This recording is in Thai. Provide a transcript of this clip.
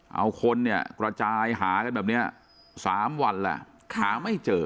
เอาคนเนี่ยกระจายหากันแบบนี้๓วันแล้วหาไม่เจอ